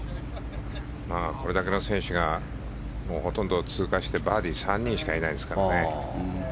これだけの選手がほとんど通過してバーディー３人しかいないですからね。